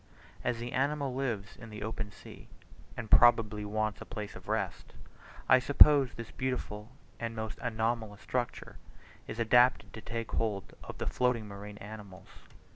As the animal lives in the open sea, and probably wants a place of rest, I suppose this beautiful and most anomalous structure is adapted to take hold of floating marine animals.